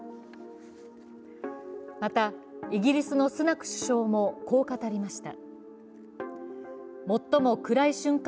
また、イギリスのスナク首相もこう語りました。